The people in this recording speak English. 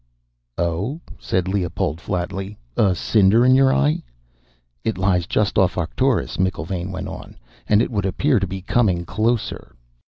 "Oh," said Leopold flatly. "A cinder in your eye." "It lies just off Arcturus," McIlvaine went on, "and it would appear to be coming closer."